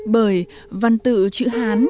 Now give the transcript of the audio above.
bởi văn tự chữ hán